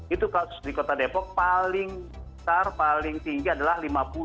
itu kasus di kota depok paling besar paling tinggi adalah lima puluh